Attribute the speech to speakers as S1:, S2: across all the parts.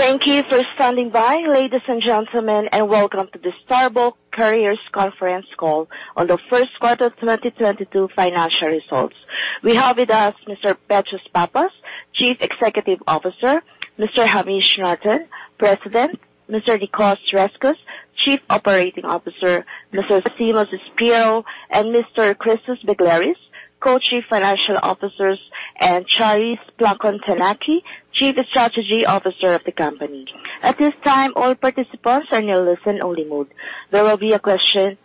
S1: Thank you for standing by, ladies and gentlemen, and welcome to the Star Bulk Carriers Conference Call On The First Quarter 2022 Financial Results. We have with us Mr. Petros Pappas, Chief Executive Officer, Mr. Hamish Norton, President, Mr. Nicos Rescos, Chief Operating Officer, Mr. Simos Spyrou and Mr. Christos Begleris, Co-Chief Financial Officers, and Charis Plakantonaki, Chief Strategy Officer of the company. At this time, all participants are in a listen-only mode. There will be a presentation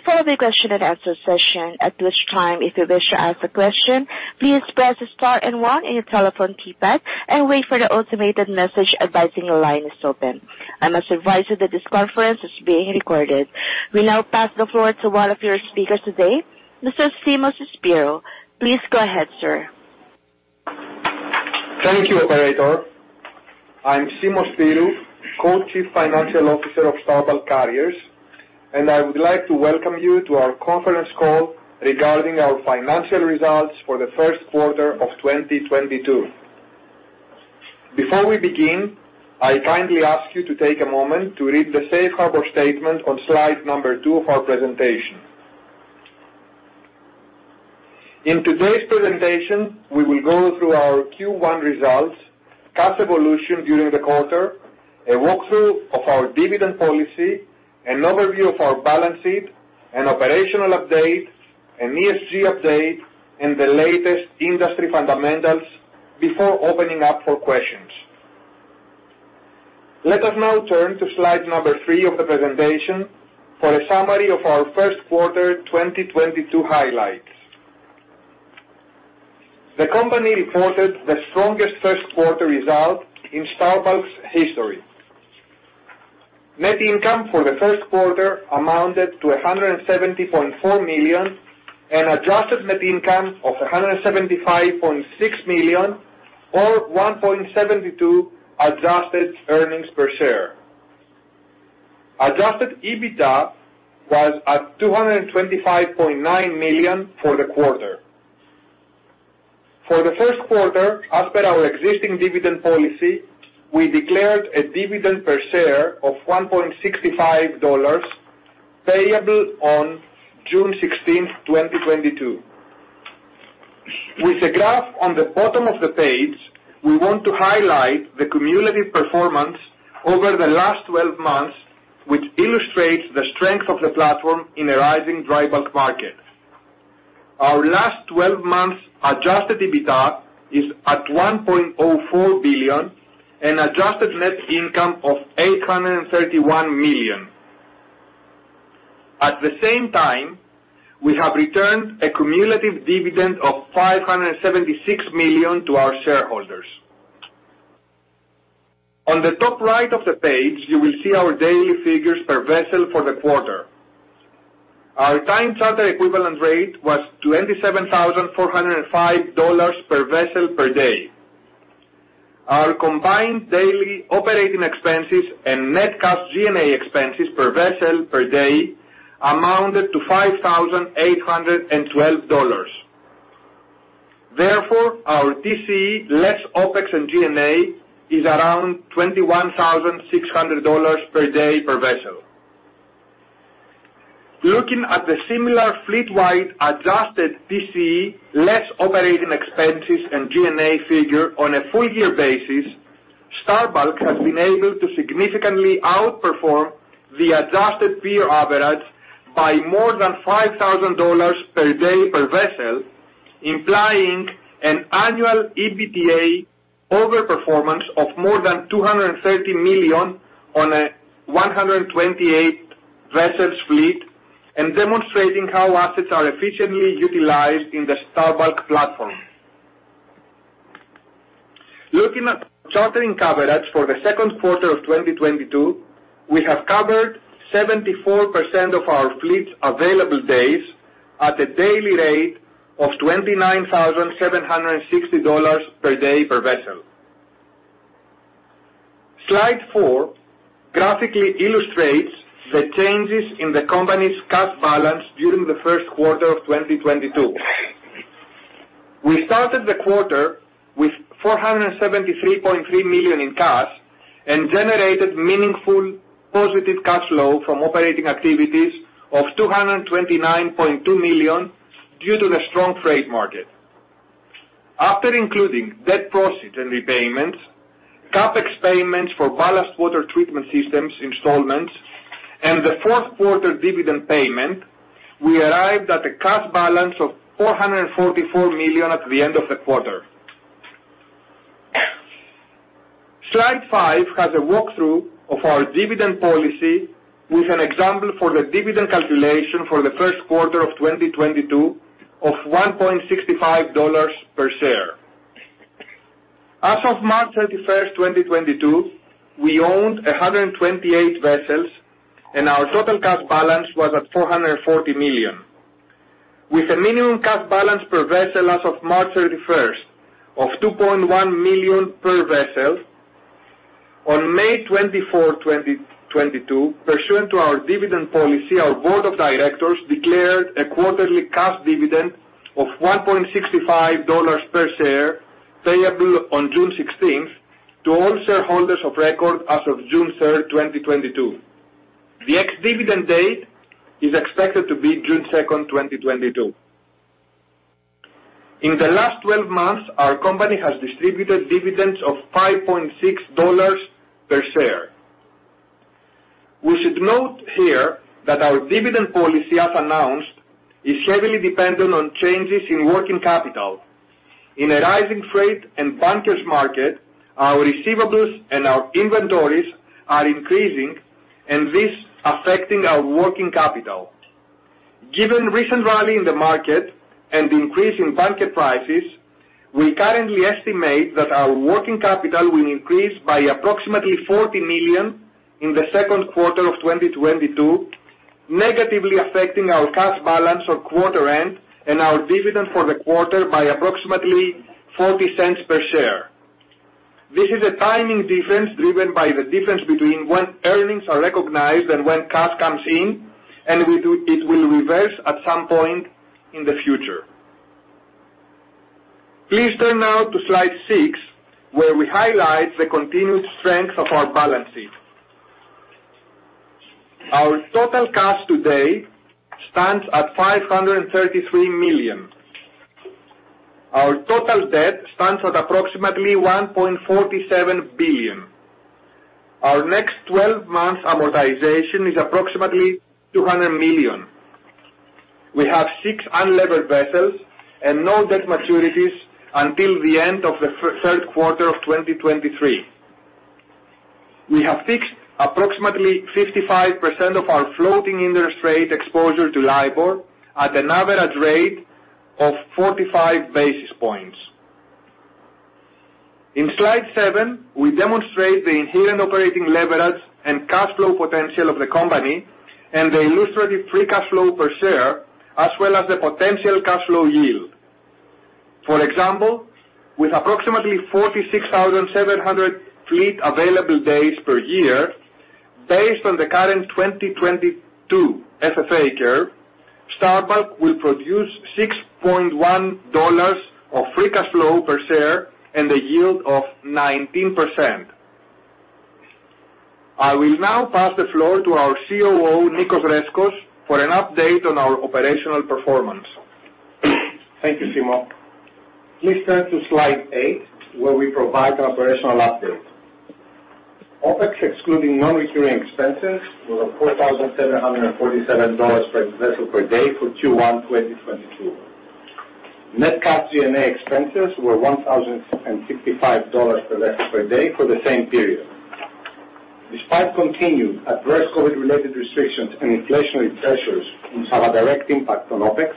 S1: followed by a question and answer session, at which time, if you wish to ask a question, please press star and one on your telephone keypad and wait for the automated message advising your line is open. I must advise you that this conference is being recorded. We now pass the floor to one of your speakers today, Mr. Simos Spyrou. Please go ahead, sir.
S2: Thank you, operator. I'm Simos Spyrou, Co-Chief Financial Officer of Star Bulk Carriers, and I would like to welcome you to our conference call regarding our financial results for the first quarter of 2022. Before we begin, I kindly ask you to take a moment to read the safe harbor statement on slide number two of our presentation. In today's presentation, we will go through our Q1 results, cash evolution during the quarter, a walkthrough of our dividend policy, an overview of our balance sheet, an operational update, an ESG update and the latest industry fundamentals before opening up for questions. Let us now turn to slide number three of the presentation for a summary of our first quarter 2022 highlights. The company reported the strongest first quarter result in Star Bulk's history. Net income for the first quarter amounted to $170.4 million and adjusted net income of $175.6 million or $1.72 adjusted earnings per share. Adjusted EBITDA was at $225.9 million for the quarter. For the first quarter, as per our existing dividend policy, we declared a dividend per share of $1.65 payable on June 16th, 2022. With the graph on the bottom of the page, we want to highlight the cumulative performance over the last twelve months, which illustrates the strength of the platform in a rising dry bulk market. Our last twelve months adjusted EBITDA is at $1.04 billion and adjusted net income of $831 million. At the same time, we have returned a cumulative dividend of $576 million to our shareholders. On the top right of the page, you will see our daily figures per vessel for the quarter. Our time charter equivalent rate was $27,405 per vessel per day. Our combined daily operating expenses and net cash G&A expenses per vessel per day amounted to $5,812. Therefore, our TCE less OpEx and G&A is around $21,600 per day per vessel. Looking at the similar fleet-wide adjusted TCE less operating expenses and G&A figure on a full year basis, Star Bulk has been able to significantly outperform the adjusted peer average by more than $5,000 per day per vessel, implying an annual EBITDA over-performance of more than $230 million on a 128-vessel fleet and demonstrating how assets are efficiently utilized in the Star Bulk platform. Looking at chartering coverage for the second quarter of 2022, we have covered 74% of our fleet's available days at a daily rate of $29,760 per day per vessel. Slide four graphically illustrates the changes in the company's cash balance during the first quarter of 2022. We started the quarter with $473.3 million in cash and generated meaningful positive cash flow from operating activities of $229.2 million due to the strong freight market. After including debt proceeds and repayments, CapEx payments for ballast water treatment systems installments and the fourth quarter dividend payment, we arrived at a cash balance of $444 million at the end of the quarter. Slide five has a walkthrough of our dividend policy with an example for the dividend calculation for the first quarter of 2022 of $1.65 per share. As of March 31st, 2022, we owned 128 vessels, and our total cash balance was at $440 million. With a minimum cash balance per vessel as of March 31st of $2.1 million per vessel. On May 24th, 2022, pursuant to our dividend policy, our board of directors declared a quarterly cash dividend of $1.65 per share payable on June 16th to all shareholders of record as of June 3rd, 2022. The ex-dividend date is expected to be June 2nd, 2022. In the last 12 months, our company has distributed dividends of $5.6 per share. We should note here that our dividend policy, as announced, is heavily dependent on changes in working capital. In a rising freight and bunkers market, our receivables and our inventories are increasing and this is affecting our working capital. Given recent rally in the market and the increase in bunker prices, we currently estimate that our working capital will increase by approximately $40 million in the second quarter of 2022, negatively affecting our cash balance on quarter end and our dividend for the quarter by approximately $0.40 per share. This is a timing difference driven by the difference between when earnings are recognized and when cash comes in, and it will reverse at some point in the future. Please turn now to slide 6, where we highlight the continued strength of our balance sheet. Our total cash today stands at $533 million. Our total debt stands at approximately $1.47 billion. Our next 12 months amortization is approximately $200 million. We have six unlevered vessels and no debt maturities until the end of the third quarter of 2023. We have fixed approximately 55% of our floating interest rate exposure to LIBOR at an average rate of 45 basis points. In slide seven, we demonstrate the inherent operating leverage and cash flow potential of the company and the illustrative free cash flow per share as well as the potential cash flow yield. For example, with approximately 46,700 fleet available days per year based on the current 2022 FFA curve, Star Bulk will produce $6.1 of free cash flow per share and a yield of 19%. I will now pass the floor to our COO, Nicos Rescos, for an update on our operational performance.
S3: Thank you, Simos. Please turn to slide eight, where we provide an operational update. OpEx, excluding on-recurring expenses, were $4,747 per vessel per day for Q1 2022. Net cash G&A expenses were $1,065 per vessel per day for the same period. Despite continued adverse COVID-related restrictions and inflationary pressures which have a direct impact on OpEx,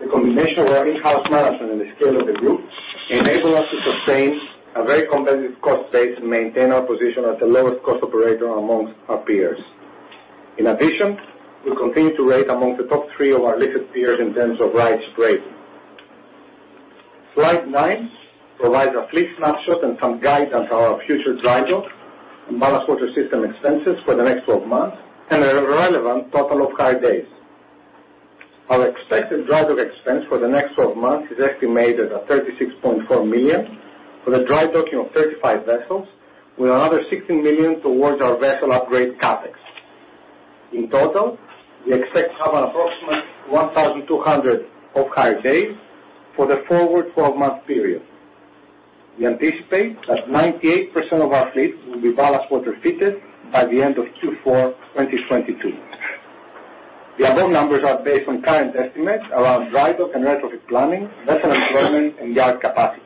S3: the combination of our in-house management and the scale of the group enable us to sustain a very competitive cost base and maintain our position as the lowest cost operator among our peers. In addition, we continue to rate among the top three of our listed peers in terms of hire rate. Slide nine provides a fleet snapshot and some guidance on our future drydock and ballast water system expenses for the next 12 months and a relevant total of hire days. Our expected drydock expense for the next 12 months is estimated at $36.4 million for the drydocking of 35 vessels with another $16 million toward our vessel upgrade CapEx. In total, we expect to have an approximate 1,200 of hire days for the forward 12-month period. We anticipate that 98% of our fleet will be ballast water fitted by the end of Q4 2022. The above numbers are based on current estimates around drydock and retrofit planning, vessel employment, and yard capacity.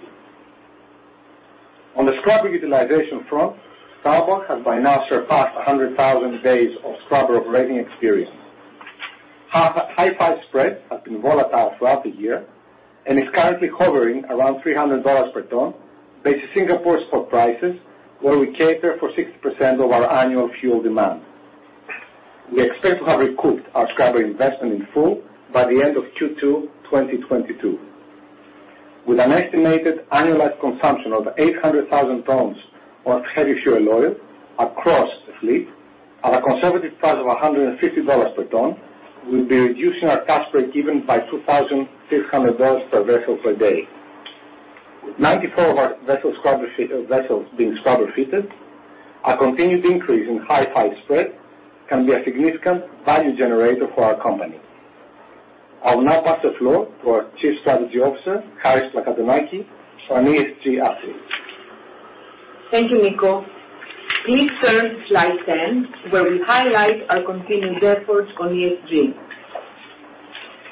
S3: On the scrubber utilization front, Star Bulk has by now surpassed 100,000 days of scrubber operating experience. Hi-5 spread has been volatile throughout the year and is currently hovering around $300 per ton based on Singapore's spot prices, where we cater for 60% of our annual fuel demand. We expect to have recouped our scrubber investment in full by the end of Q2, 2022. With an estimated annualized consumption of 800,000 tons of heavy fuel oil across the fleet at a conservative price of $150 per ton, we'll be reducing our cash break even by $2,300 per vessel per day. With 94 of our vessels scrubber-fitted vessels being scrubber fitted, our continued increase in Hi-5 spread can be a significant value generator for our company. I will now pass the floor to our Chief Strategy Officer, Charis Plakantonaki for an ESG update.
S4: Thank you, Nicos Rescos. Please turn to slide 10, where we highlight our continuing efforts on ESG.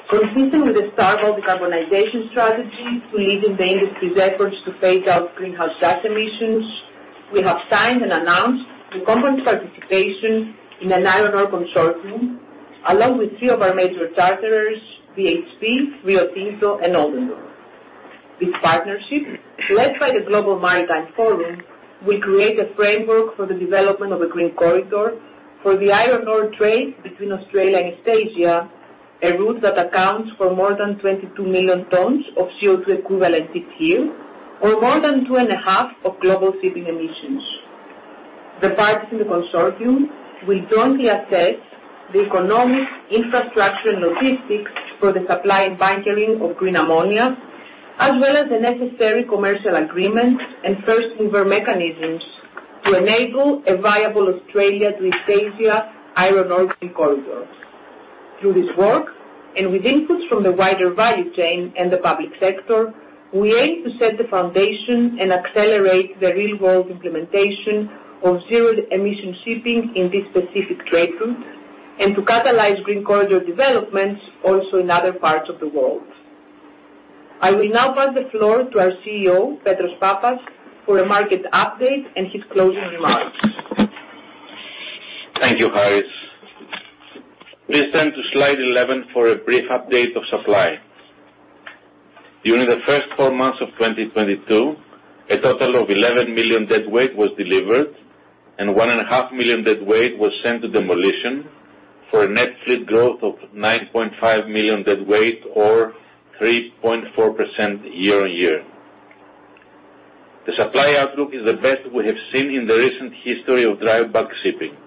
S4: Consistent with the Star Bulk decarbonization strategy to lead in the industry's efforts to phase out greenhouse gas emissions, we have signed and announced the company's participation in an iron ore consortium along with three of our major charterers, BHP, Rio Tinto and Vale. This partnership, led by the Global Maritime Forum, will create a framework for the development of a green corridor for the iron ore trade between Australia and Asia. A route that accounts for more than 22 million tons of CO2 equivalent per year or more than 2.5% of global shipping emissions. The parties in the consortium will jointly assess the economic infrastructure and logistics for the supply and bunkering of green ammonia, as well as the necessary commercial agreements and first mover mechanisms to enable a viable Australia to Eurasia iron ore sea corridor. Through this work, and with inputs from the wider value chain and the public sector, we aim to set the foundation and accelerate the real-world implementation of zero-emission shipping in this specific trade route, and to catalyze green corridor developments also in other parts of the world. I will now pass the floor to our CEO, Petros Pappas, for a market update and his closing remarks.
S5: Thank you, Charis. Please turn to slide 11 for a brief update of supply. During the first four months of 2022, a total of 11 million deadweight was delivered, and 1.5 million deadweight was sent to demolition for a net fleet growth of 9.5 million deadweight or 3.4% year-on-year. The supply outlook is the best we have seen in the recent history of dry bulk shipping.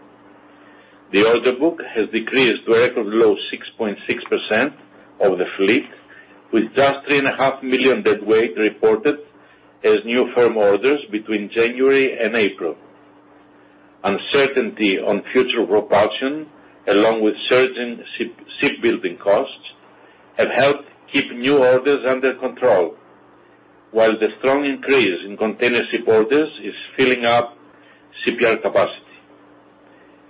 S5: The order book has decreased to a record low 6.6% of the fleet, with just 3.5 million deadweight reported as new firm orders between January and April. Uncertainty on future propulsion, along with surging shipbuilding costs have helped keep new orders under control, while the strong increase in container ship orders is filling up yard capacity.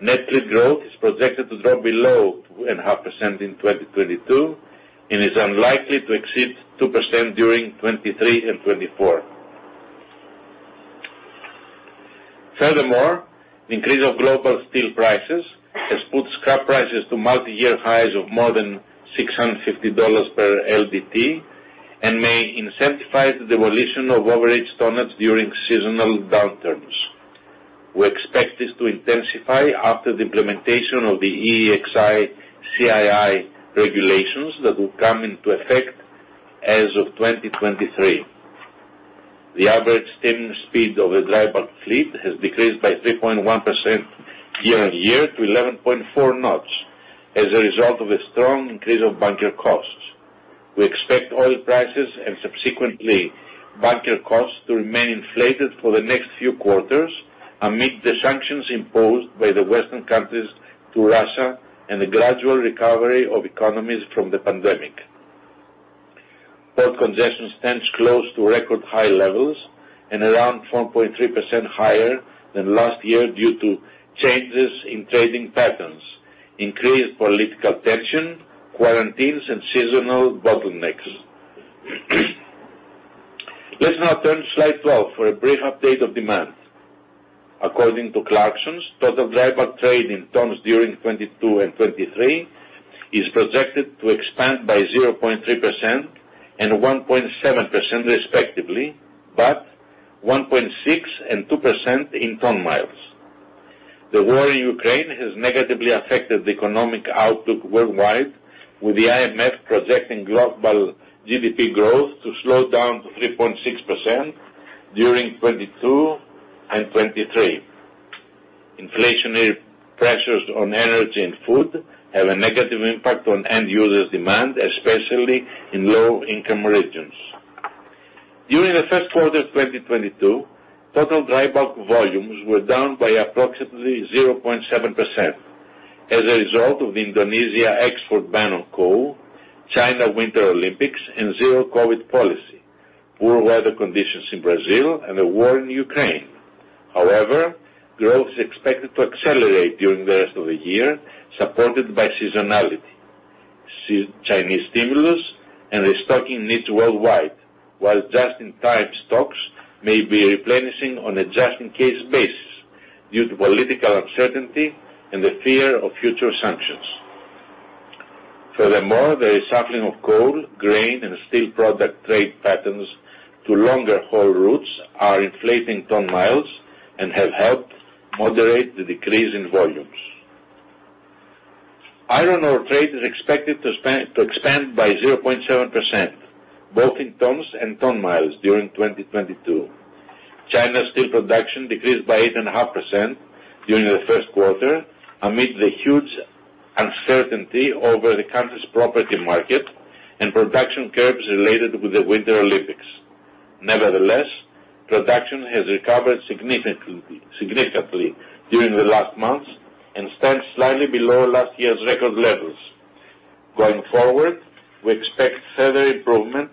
S5: Net fleet growth is projected to drop below 2.5% in 2022 and is unlikely to exceed 2% during 2023 and 2024. Furthermore, the increase of global steel prices has put scrap prices to multi-year highs of more than $650 per LDT and may incentivize the demolition of overaged tonnage during seasonal downturns. We expect this to intensify after the implementation of the EEXI, CII regulations that will come into effect as of 2023. The average steam speed of a dry bulk fleet has decreased by 3.1% year-on-year to 11.4 knots as a result of a strong increase of bunker costs. We expect oil prices and subsequently bunker costs to remain inflated for the next few quarters amid the sanctions imposed by the Western countries to Russia and the gradual recovery of economies from the pandemic. Port congestion stands close to record high levels and around 4.3% higher than last year due to changes in trading patterns, increased political tension, quarantines and seasonal bottlenecks. Let's now turn to slide 12 for a brief update of demand. According to Clarksons, total dry bulk trade in tons during 2022 and 2023 is projected to expand by 0.3% and 1.7% respectively, but 1.6% and 2% in ton-miles. The war in Ukraine has negatively affected the economic outlook worldwide, with the IMF projecting global GDP growth to slow down to 3.6% during 2022 and 2023. Inflationary pressures on energy and food have a negative impact on end users demand, especially in low-income regions. During the first quarter of 2022, total dry bulk volumes were down by approximately 0.7% as a result of the Indonesia export ban on coal, China Winter Olympics and zero-COVID policy, poor weather conditions in Brazil and the war in Ukraine. However, growth is expected to accelerate during the rest of the year, supported by seasonality, Chinese stimulus and restocking needs worldwide, while just-in-time stocks may be replenishing on a just-in-case basis due to political uncertainty and the fear of future sanctions. Furthermore, the shuffling of coal, grain and steel product trade patterns to longer haul routes are inflating ton-miles and have helped moderate the decrease in volumes. Iron ore trade is expected to expand by 0.7% both in tons and ton-miles during 2022. China's steel production decreased by 8.5% during the first quarter amid the huge uncertainty over the country's property market and production curbs related with the Winter Olympics. Nevertheless, production has recovered significantly during the last months and stands slightly below last year's record levels. Going forward, we expect further improvement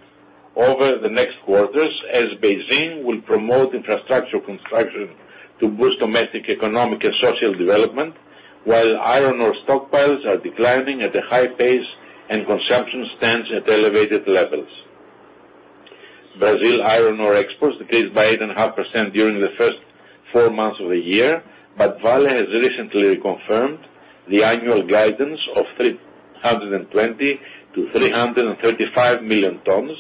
S5: over the next quarters as Beijing will promote infrastructure construction to boost domestic economic and social development, while iron ore stockpiles are declining at a high pace and consumption stands at elevated levels. Brazil iron ore exports decreased by 8.5% during the first four months of the year, but Vale has recently reconfirmed the annual guidance of 320-335 million tons,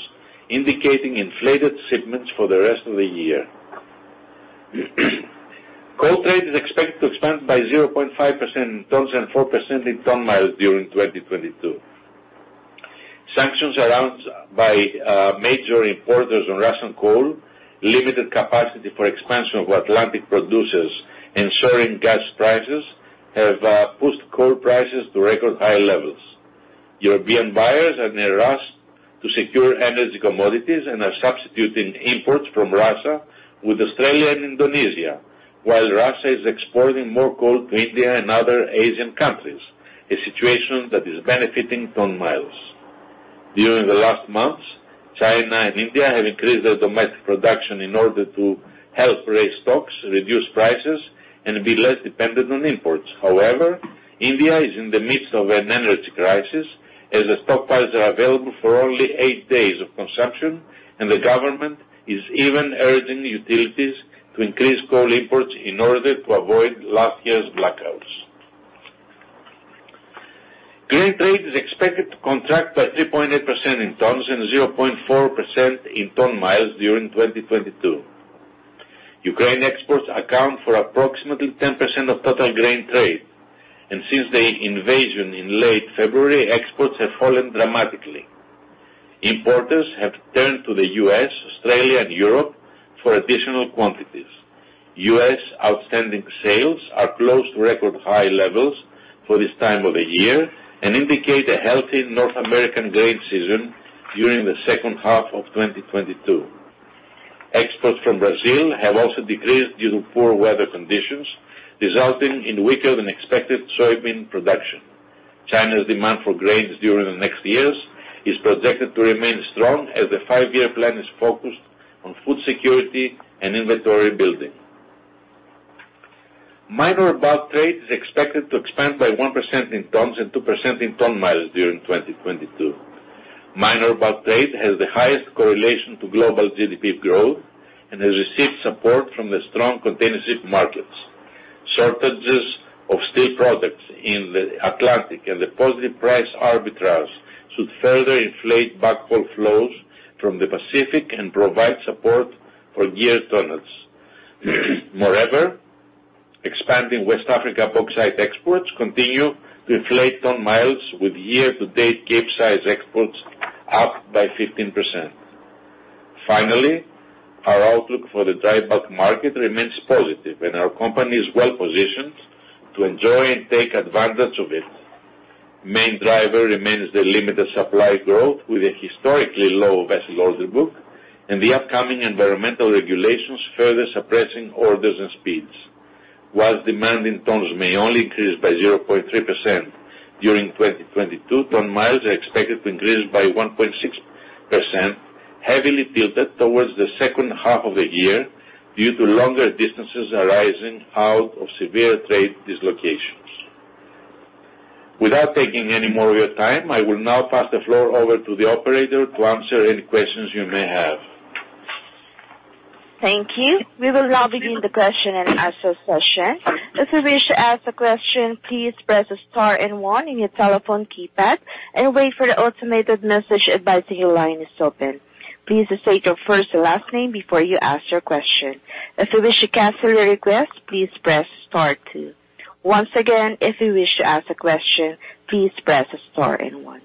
S5: indicating inflated shipments for the rest of the year. Coal trade is expected to expand by 0.5% in tons and 4% in ton-miles during 2022. Sanctions by major importers on Russian coal, limited capacity for expansion of Atlantic producers and soaring gas prices have pushed coal prices to record high levels. European buyers are in a rush to secure energy commodities and are substituting imports from Russia with Australia and Indonesia while Russia is exporting more coal to India and other Asian countries, a situation that is benefiting ton-miles. During the last months, China and India have increased their domestic production in order to help raise stocks, reduce prices, and be less dependent on imports. However, India is in the midst of an energy crisis as the stockpiles are available for only eight days of consumption, and the government is even urging utilities to increase coal imports in order to avoid last year's blackouts. Grain trade is expected to contract by 3.8% in tons and 0.4% in ton-miles during 2022. Ukraine exports account for approximately 10% of total grain trade, and since the invasion in late February, exports have fallen dramatically. Importers have turned to the U.S., Australia and Europe for additional quantities. U.S. outstanding sales are close to record high levels for this time of the year and indicate a healthy North American grain season during the second half of 2022. Exports from Brazil have also decreased due to poor weather conditions, resulting in weaker than expected soybean production. China's demand for grains during the next years is projected to remain strong as the five-year plan is focused on food security and inventory building. Minor bulk trade is expected to expand by 1% in tons and 2% in ton-miles during 2022. Minor bulk trade has the highest correlation to global GDP growth and has received support from the strong containership markets. Shortages of steel products in the Atlantic and the positive price arbitrage should further inflate backhaul flows from the Pacific and provide support for year tonnages. Moreover, expanding West Africa bauxite exports continue to inflate ton miles with year-to-date cape size exports up by 15%. Finally, our outlook for the dry bulk market remains positive, and our company is well-positioned to enjoy and take advantage of it. Main driver remains the limited supply growth with a historically low vessel order book and the upcoming environmental regulations further suppressing orders and speeds. While demand in tons may only increase by 0.3% during 2022, ton miles are expected to increase by 1.6%, heavily tilted towards the second half of the year due to longer distances arising out of severe trade dislocations. Without taking any more of your time, I will now pass the floor over to the operator to answer any questions you may have.
S1: Thank you. We will now begin the question and answer session. If you wish to ask a question, please press star and one in your telephone keypad and wait for the automated message advising your line is open. Please state your first and last name before you ask your question. If you wish to cancel your request, please press star two. Once again, if you wish to ask a question, please press star and one.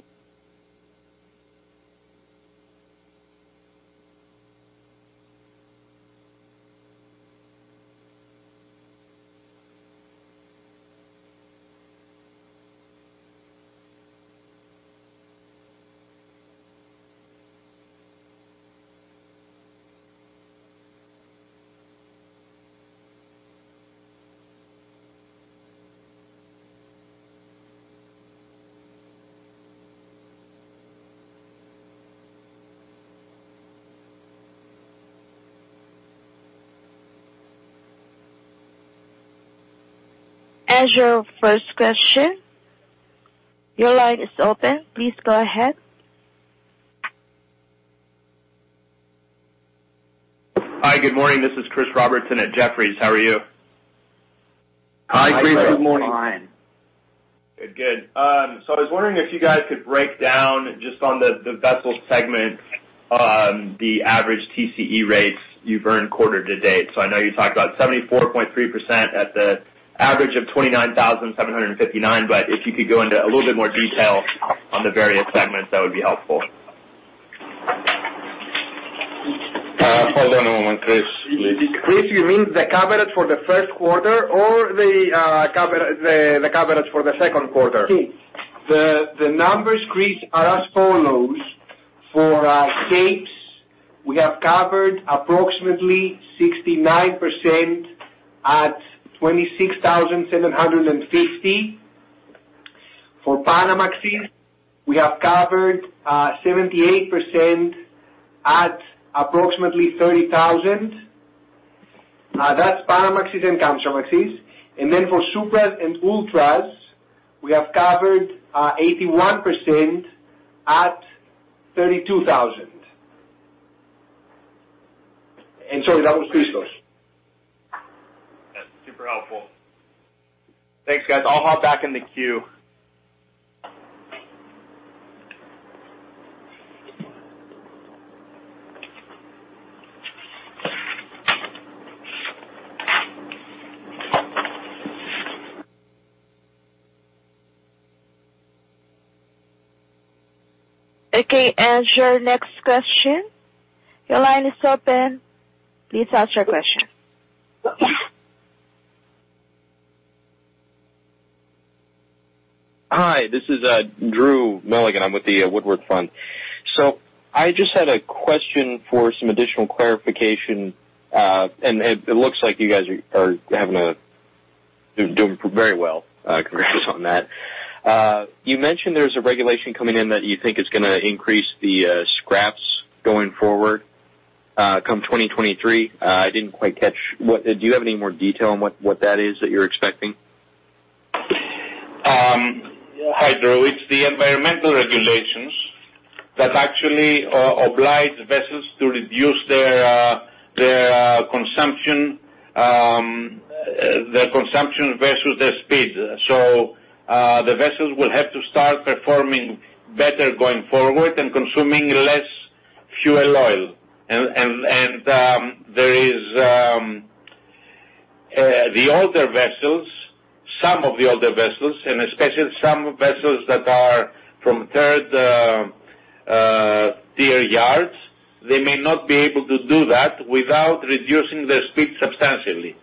S1: As your first question, your line is open. Please go ahead.
S6: Hi. Good morning. This is Chris Robertson at Jefferies. How are you?
S5: Hi, Chris. Good morning. Fine.
S6: Good. Good. I was wondering if you guys could break down just on the vessel segment, the average TCE rates you've earned quarter to date. I know you talked about 74.3% at the average of $29,759, but if you could go into a little bit more detail on the various segments, that would be helpful.
S5: Hold on a moment, Chris.
S7: Chris, you mean the coverage for the first quarter or the coverage for the second quarter? The numbers, Chris, are as follows. For capes, we have covered approximately 69% at $26,750. For Panamax, we have covered 78% at approximately $30,000. That's Panamax and Kamsarmax. Then for supras and ultras, we have covered 81% at $32,000. Sorry, that was Christos.
S6: That's super helpful. Thanks, guys. I'll hop back in the queue.
S1: Okay. Your next question. Your line is open. Please ask your question.
S8: Hi, this is Drew Milligan. I'm with the Woodward Fund. I just had a question for some additional clarification. It looks like you guys are doing very well. Congrats on that. You mentioned there's a regulation coming in that you think is gonna increase the scrapping going forward, come 2023. I didn't quite catch what that is. Do you have any more detail on what that is that you're expecting?
S5: EEXI, it's the environmental regulations that actually obliges vessels to reduce their consumption versus their speed. The vessels will have to start performing better going forward and consuming less fuel oil. There is the older vessels, some of the older vessels and especially some vessels that are from third tier yards, they may not be able to do that without reducing their speed substantially.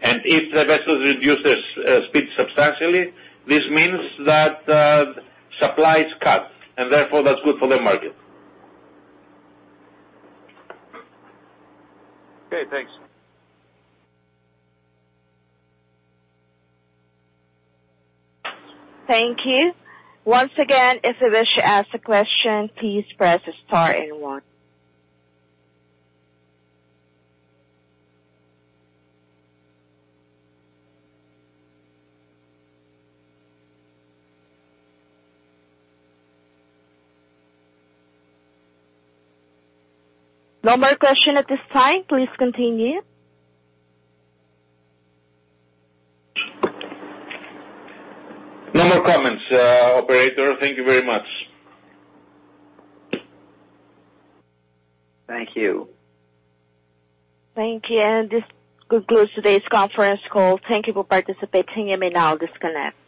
S5: If the vessels reduces speed substantially, this means that supply is cut, and therefore, that's good for the market.
S8: Okay, thanks.
S1: Thank you. Once again, if you wish to ask a question, please press star and one. No more questions at this time. Please continue.
S5: No more comments, operator. Thank you very much.
S2: Thank you.
S1: Thank you. This concludes today's conference call. Thank you for participating. You may now disconnect.